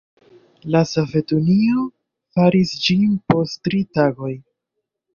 La Sovetunio faris ĝin post tri tagoj.